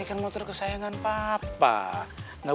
irableunkesihah alguém kayaknya